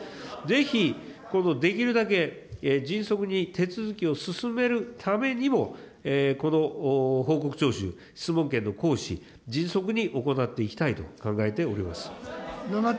ぜひ、このできるだけ迅速に手続きを進めるためにも、この報告徴収、質問権の行使、迅速に行っていきたいと考えております。